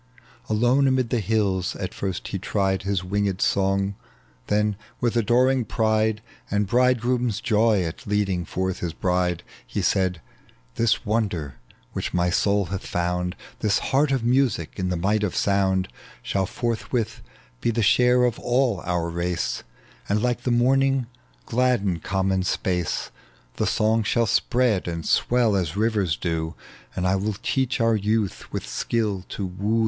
Alone amid the hills at first he tried His winged song ; then with adoring pride And bridegroom's joy at leading forth his bride, He said, " This wonder which my soul hath found, This heart of music in the might of sound. Shall forthwith he tlie share of all our race, And lilie the morning gladden common space : The song shall spread and swell as rivers do. And I will teach our youth with skill to woo .tec bv Google THE LEGEND OF JUBAL.